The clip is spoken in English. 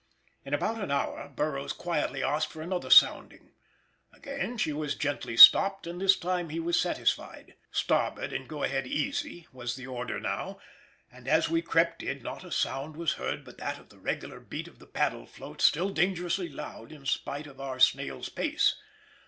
In about an hour Burroughs quietly asked for another sounding. Again she was gently stopped, and this time he was satisfied. "Starboard and go ahead easy," was the order now, and as we crept in not a sound was heard but that of the regular beat of the paddle floats still dangerously loud in spite of our snail's pace.